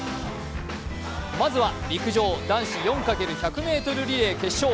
まずは陸上、４×１００ｍリレー決勝。